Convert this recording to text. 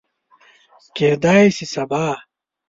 کیدای شي سبا